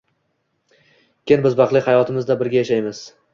Keyin biz baxtli hayotimizda birga yashaymiz.